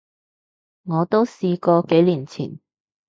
我都試過，幾年前